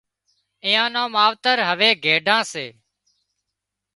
اين نان ماوتر هوي گئيڍان سي